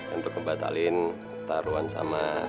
untuk batalin taruhan sama